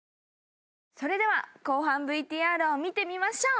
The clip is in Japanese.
それでは後半ＶＴＲを見てみましょう。